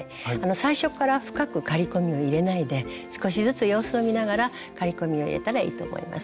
最初から深く刈り込みを入れないで少しずつ様子を見ながら刈り込みを入れたらいいと思います。